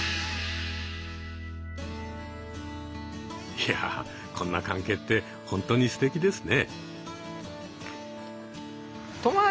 いやこんな関係って本当にすてきですね。